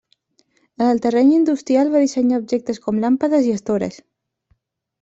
En el terreny industrial va dissenyar objectes com làmpades i estores.